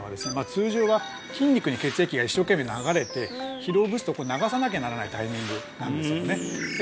通常は筋肉に血液が一生懸命流れて疲労物質を流さなきゃならないタイミングなんですよねで